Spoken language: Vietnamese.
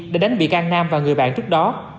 để đánh bị can nam và người bạn trước đó